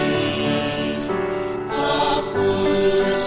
kisah indah sang panabus